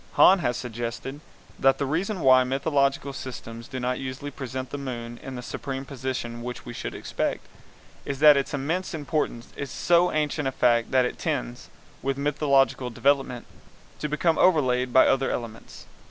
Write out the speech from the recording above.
Hahn has suggested that the reason why mythological systems do not usually present the moon in the supreme position which we should expect, is that its immense importance is so ancient a fact that it tends, with mythological development, to become overlaid by other elements.